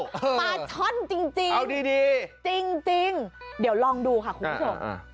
ปลาช่อนจริงเอาดีจริงเดี๋ยวลองดูค่ะคุณผู้ชม